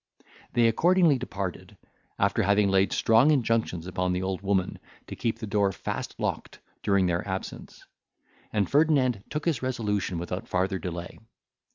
They accordingly departed, after having laid strong injunctions upon the old woman to keep the door fast locked during their absence; and Ferdinand took his resolution without farther delay.